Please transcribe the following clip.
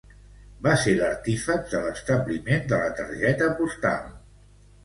Va ser l'artífex de l'establiment de la targeta postal.